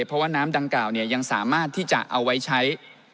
เพราะว่าน้ำดังกล่าวยังสามารถที่จะเอาไว้ใช้